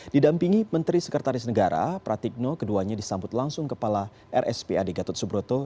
didampingi menteri sekretaris negara pratikno keduanya disambut langsung kepala rspad gatot subroto